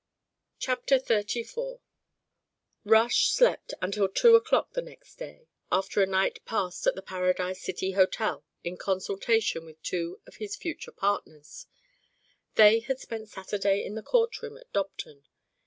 CHAPTER XXXIV Rush slept until two o'clock the next day, after a night passed at the Paradise City Hotel in consultation with two of his future partners; they had spent Saturday in the courtroom at Dobton.